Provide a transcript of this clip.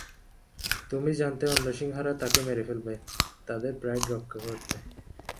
তুমি জানতে অন্য সিংহরা তাকে মেরে ফেলবে তাদের প্রাইড রক্ষা করতে।